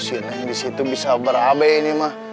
si ineng di situ bisa berapa ini ma